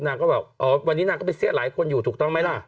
นางก็แบบอ๋อวันนี้นางก็ไปเสี้ยหลายคนอยู่ถูกต้องไหมล่ะ